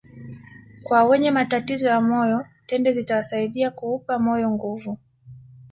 Kwa wenye matatizo ya moyo tende zitawasaidia kuupa moyo nguvu